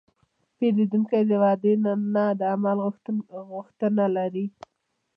پیرودونکی د وعدې نه، د عمل غوښتنه لري.